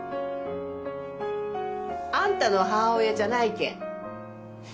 あんたの母親じゃないけん。